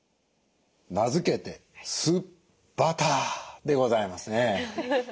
名付けて「酢バター」でございますね。